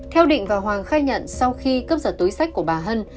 theo định và hoàng khai nhận sau khi cướp giật túi sách của bà hân